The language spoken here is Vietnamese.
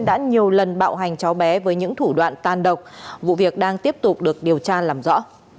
đã nhiều lần bạo hành cháu bé với những thủ đoạn tan độc vụ việc đang tiếp tục được điều tra làm rõ